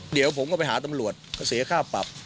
เดี๋ยวผมก็ไปหาตำรวจก็เสียค่าปรับ